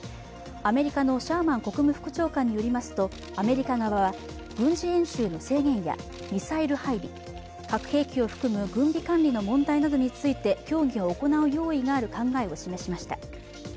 アメリカのシャーマン国務副長官によりますとアメリカ側は軍事演習の制限やミサイル配備、核兵器を含む軍備管理の問題などについて協議を行う用意がある考えを示しました。